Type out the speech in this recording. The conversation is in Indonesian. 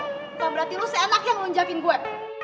bukan berarti lo seenak yang ngunjakin gue